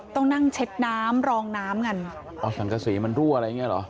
ต้องนั่งเช็ดน้ำรองน้ำกันอ๋อสังกษีมันรั่วอะไรอย่างเงี้เหรอ